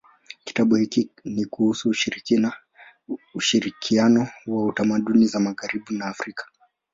Kitabu hiki ni kuhusu ushirikiano wa tamaduni za magharibi na Afrika.